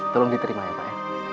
tolong diterima ya pak